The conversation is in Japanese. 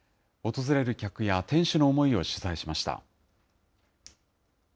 訪れる客や店主の思いを取材しました。